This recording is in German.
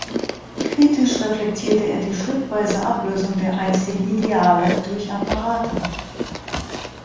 Kritisch reflektierte er die schrittweise Ablösung der einstigen Ideale durch Apparate.